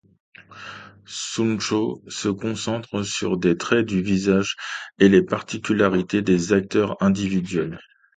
Shunshō se concentre sur les traits du visage et les particularités des acteurs individuels.